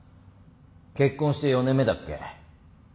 結婚して４年目だっけ？